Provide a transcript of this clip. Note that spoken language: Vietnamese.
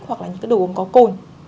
hoặc là những cái đồ uống có cồn